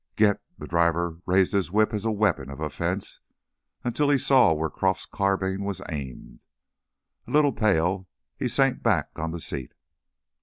"Git!" The driver raised his whip as a weapon of offense until he saw where Croff's carbine was aimed. A little pale, he sank back on the seat.